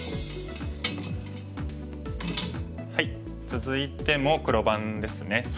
続いても黒番ですね。